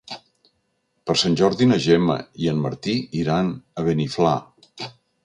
Per Sant Jordi na Gemma i en Martí iran a Beniflà.